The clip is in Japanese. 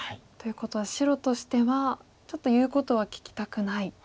ということは白としてはちょっと言うことは聞きたくない。